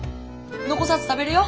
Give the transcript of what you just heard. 残さず食べれよ！